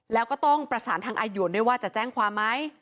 แล้วก็ต้องประสานทางอายวนด้วยว่าจะแจ้งความไหม